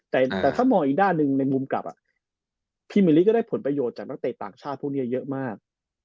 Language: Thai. แต่ถ้ามองอีกด้านหนึ่งในมุมกลับพี่มิลิก็ได้ผลประโยชน์จากนักเตะต่างชาติพวกนี้เยอะมาก